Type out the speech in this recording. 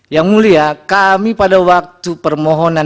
yang mulia kami pada waktu ini kami dikabulkan sebagian